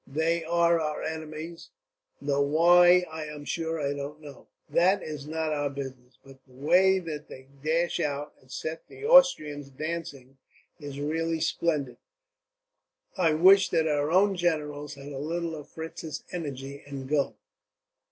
"They are our enemies; though why, I am sure I don't know. That is not our business. But the way that they dash out, and set the Austrians dancing, is really splendid. I wish that our own generals had a little of Fritz's energy and go."